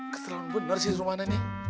keterlaluan bener sih rumana nih